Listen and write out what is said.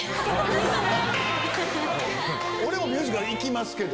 俺もミュージカル行きますけど。